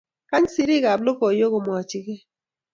Kany serii ab logoiwek kimwochkei.